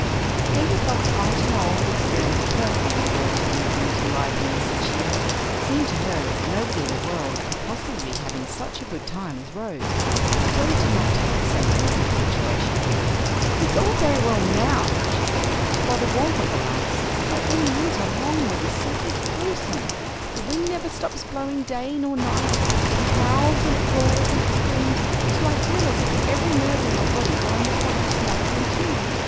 Katy felt quite an old, experienced person amid all this movement and liveliness and cheer. It seemed to her that nobody in the world could possibly be having such a good time as Rose; but Rose did not take the same view of the situation. "It's all very well now," she said, "while the warm weather lasts; but in winter Longwood is simply grewsome. The wind never stops blowing day nor night. It howls and it roars and it screams, till I feel as if every nerve in my body were on the point of snapping in two.